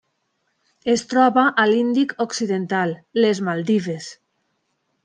Es troba a l'Índic occidental: les Maldives.